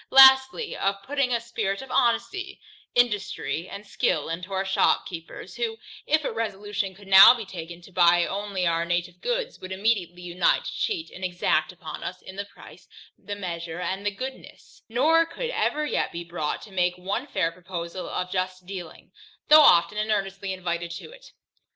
Lastly, of putting a spirit of honesty, industry, and skill into our shopkeepers, who, if a resolution could now be taken to buy only our native goods, would immediately unite to cheat and exact upon us in the price, the measure, and the goodness, nor could ever yet be brought to make one fair proposal of just dealing, though often and earnestly invited to it.